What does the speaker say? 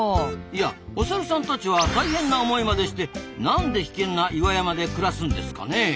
いやおサルさんたちは大変な思いまでしてなんで危険な岩山で暮らすんですかねえ？